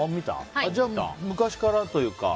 じゃあ、昔からというか。